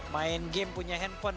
main game punya handphone